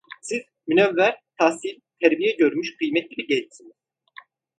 Siz münevver, tahsil, terbiye görmüş, kıymetli bir gençsiniz.